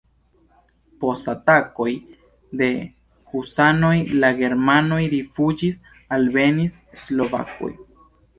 Post atakoj de husanoj la germanoj rifuĝis, alvenis slovakoj.